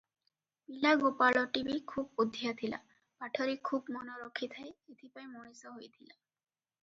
ପିଲା ଗୋପାଳଟି ବି ଖୁବ୍ ବୁଦ୍ଧିଆ ଥିଲା; ପାଠରେ ଖୁବ୍ ମନ ରଖିଥାଏ, ଏଥିପାଇଁ ମଣିଷ ହୋଇଥିଲା ।